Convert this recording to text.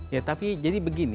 ya tapi jadi begini